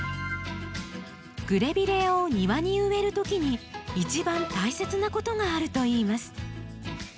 グレビレアを庭に植える時に一番大切なことがあるといいます。